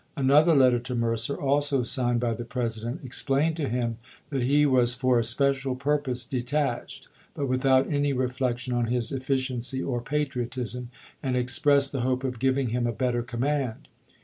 Another letter to Mercer, also signed by the President, explained to him that he was for a special purpose detached, but without any reflec tion on his efficiency or patriotism, and expressed the hope of giving him a better command.